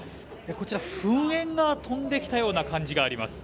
こちら、噴煙が飛んできたような感じがあります。